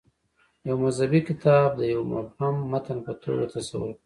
یو مذهبي کتاب د یوه مبهم متن په توګه تصور کړو.